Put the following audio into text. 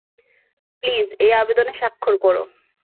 Please, এই আবেদনে স্বাক্ষর করো।